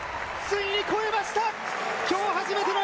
ついに超えました！